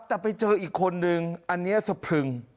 แต่ไปเจออีกคนนึงอันนี้สะพรึง